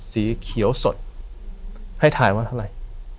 สีเขียวสดให้ถ่ายว่าเท่าไหร่